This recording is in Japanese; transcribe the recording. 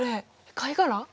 貝殻？